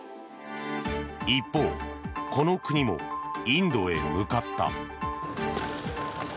一方、この国もインドへ向かった。